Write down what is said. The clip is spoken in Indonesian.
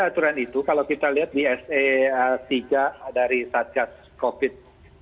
aturan itu kalau kita lihat di sa tiga dari saat saat covid sembilan belas